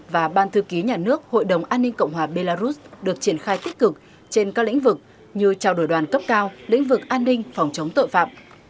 và ban thư ký nhà nước hội đồng an ninh cộng hòa belarus được triển khai tích cực trên các lĩnh vực như trao đổi đoàn cấp cao lĩnh vực an ninh phòng chống tội phạm